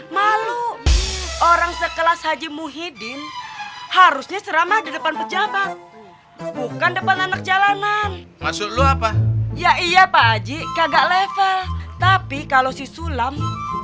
burut banget ngajak ga dijual pilihan kom filial dan di masjidan posisi click langsung